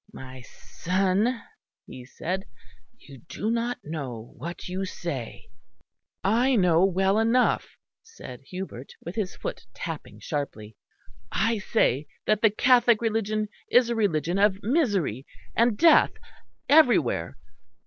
"My son," he said, "you do not know what you say." "I know well enough," said Hubert, with his foot tapping sharply. "I say that the Catholic religion is a religion of misery and death everywhere.